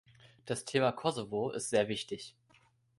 Das Thema Kosovo ist sehr wichtig.